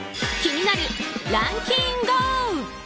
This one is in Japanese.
気になるランキンＧＯ！